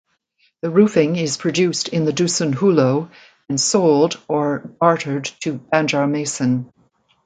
The roofing is produced in the Dusun Hulu and sold or bartered to Banjarmasin.